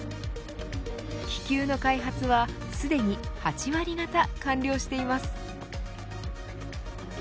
気球の開発は、すでに８割方完了しています。